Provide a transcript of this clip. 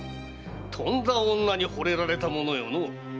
とんだ女に惚れられたものよの。